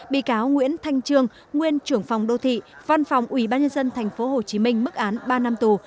bị cáo nguyễn thanh trương nguyên trưởng phòng đô thị văn phòng ubnd tp hcm mức án ba năm tù